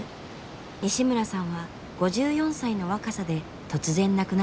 西村さんは５４歳の若さで突然亡くなりました。